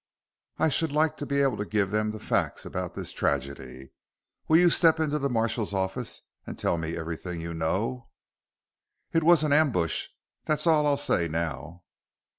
I should like to be able to give them the facts about this tragedy. Will you step into the marshal's office and tell me everything you know?" "It was an ambush. That's all I'll say now."